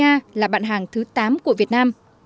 australia là bạn hàng thứ tám của việt nam